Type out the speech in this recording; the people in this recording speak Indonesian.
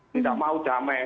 tidak mau damai